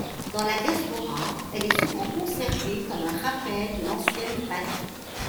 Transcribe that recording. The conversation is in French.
Dans la diaspora, elle est souvent conservée comme un rappel de l'ancienne patrie.